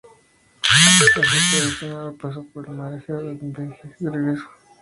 La flota veneciana pasó por el mar Egeo en el viaje de regreso.